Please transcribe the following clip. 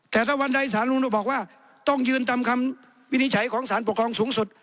แต่ถ้าวันใดสารนุนบอกว่าต้องยืนตามคำวินิจฉัยของสารปกครองสูงสุด